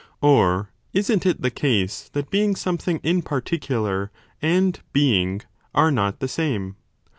Or isn t it the case that being something in particu lar and Being are not the same